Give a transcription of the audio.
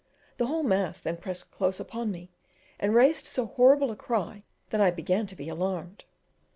The whole mass then pressed close upon me and raised so horrible a cry that I began to be alarmed.